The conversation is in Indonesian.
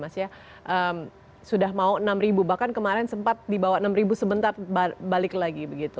sudah mau rp enam bahkan kemarin sempat dibawa rp enam sebentar balik lagi